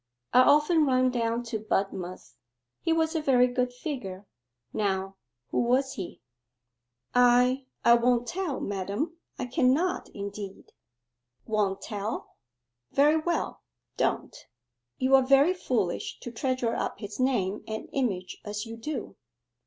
I often run down to Budmouth. He was a very good figure: now who was he?' 'I I won't tell, madam I cannot indeed!' 'Won't tell very well, don't. You are very foolish to treasure up his name and image as you do.